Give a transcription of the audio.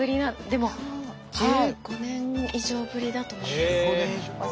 でも１５年以上ぶりだと思います。